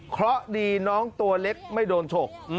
เพราะดีน้องตัวเล็กไม่โดนฉก